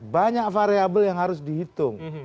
banyak variable yang harus dihitung